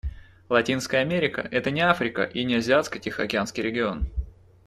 Латинская Америка — это не Африка и не Азиатско-Тихоокеанский регион.